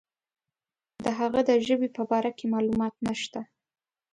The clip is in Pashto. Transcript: د هغه د ژبې په باره کې معلومات نشته.